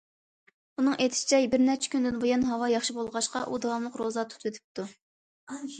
ئۇنىڭ ئېيتىشىچە، بىر نەچچە كۈندىن بۇيان ھاۋا ياخشى بولغاچقا، ئۇ داۋاملىق روزا تۇتۇۋېتىپتۇ.